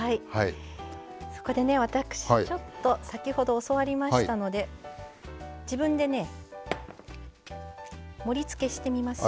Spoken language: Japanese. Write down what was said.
そこで私、先ほど教わりましたので、自分でね盛り付けしてみますよ。